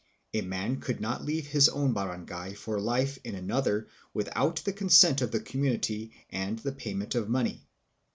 A man could not leave his own barangay for life in another without the consent of the community and the payment of money.